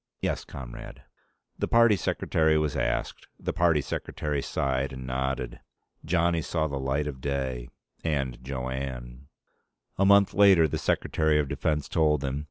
"Yes, comrade." The party secretary was asked. The party secretary sighed and nodded. Johnny saw the light of day. And Jo Anne. A month later, the Secretary of Defense told him.